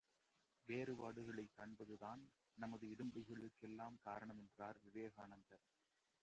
வேறுபாடுகளைக் காண்பதுதான் நமது இடும்பைகளுக்கெல்லாம் காரணம் என்றார் விவேகானந்தர்.